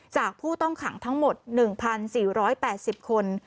ผู้ต้องขังทั้งหมด๑๔๘๐คน